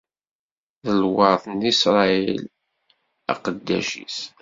D lweṛt i Isṛayil, aqeddac-is.